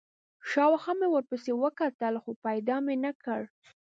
شاوخوا مې ورپسې وکتل، خو پیدا مې نه کړ.